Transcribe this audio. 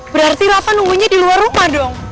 berarti lapa nunggunya di luar rumah dong